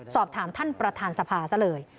สอบถามท่านประธานสภาซะเลย